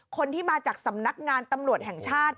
คนที่มาจากสำนักงานตำรวจแห่งชาติ